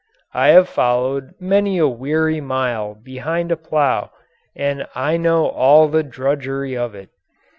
I have followed many a weary mile behind a plough and I know all the drudgery of it.